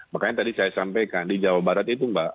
makanya tadi saya sampaikan di jawa barat itu mbak